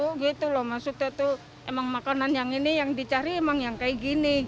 kalau maksudnya itu emang makanan yang ini yang dicari emang yang kayak gini